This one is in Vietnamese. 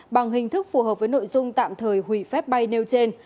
bằng hình thức phù hợp với nội dung tạm thời hủy phép bay nêu trên